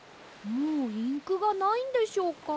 もうインクがないんでしょうか？